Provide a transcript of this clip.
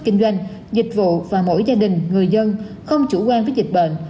kinh doanh dịch vụ và mỗi gia đình người dân không chủ quan với dịch bệnh